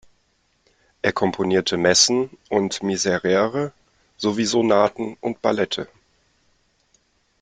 Er komponierte Messen und Miserere sowie Sonaten und Ballette.